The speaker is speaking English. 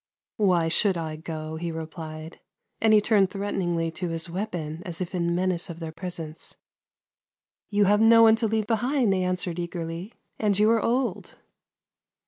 "Why should I go?" he replied, and he turned threateningly to his weapon, as if in menace of their presence. " You have no one to leave behind," they answered eagerly, " and 3'ou are old."